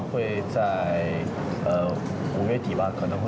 ต่อไปก็จะมีผลงาน